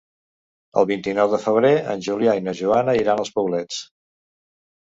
El vint-i-nou de febrer en Julià i na Joana iran als Poblets.